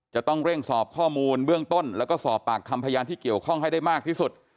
จะต้องเร่งสอบข้อมูลเบื้องต้นแล้วก็สอบปากคำพยานที่เกี่ยวข้องให้ได้มากที่สุด